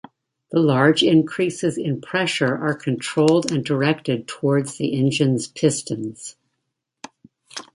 The large increases in pressure are controlled and directed toward the engine's pistons.